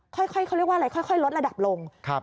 ค่อยเขาเรียกว่าอะไรค่อยลดระดับลง